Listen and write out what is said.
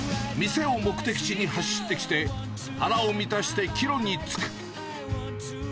店を目的地に走ってきて、腹を満たして帰路に就く。